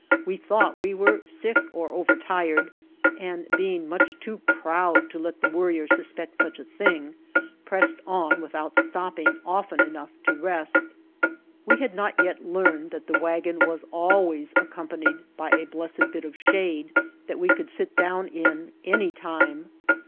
We thought we were sick or overtired, and being much too proud to let the Worrier suspect such a thing, pressed on without stopping often enough to rest. We had not yet learned that the wagon was always accompanied by a blessed bit of shade that we could sit down in any time.